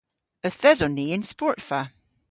Yth eson ni y'n sportva.